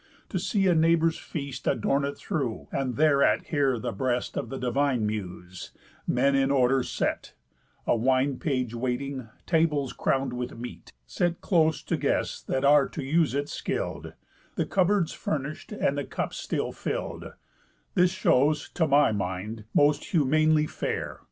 To see a neighbour's feast Adorn it through; and thereat hear the breast Of the divine Muse; men in order set; A wine page waiting; tables crown'd with meat, Set close to guests that are to use it skill'd; The cup boards furnish'd, and the cups still fill'd; This shows, to my mind, most humanely fair.